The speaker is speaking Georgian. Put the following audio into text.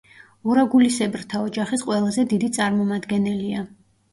ორაგულისებრთა ოჯახის ყველაზე დიდი წარმომადგენელია.